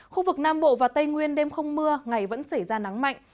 khu vực nam bộ và tây nguyên đêm không mưa ngày vẫn xảy ra nắng mạnh